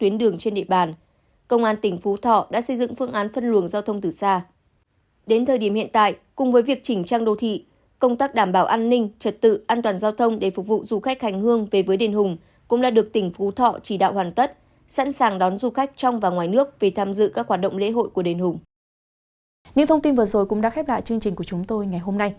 những thông tin vừa rồi cũng đã khép lại chương trình của chúng tôi ngày hôm nay